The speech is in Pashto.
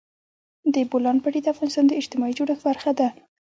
د بولان پټي د افغانستان د اجتماعي جوړښت برخه ده.